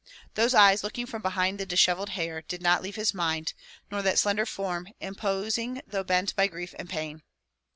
Those eyes looking from behind the dishevelled hair did not leave his mind, nor that slender form, imposing though bent by grief and pain.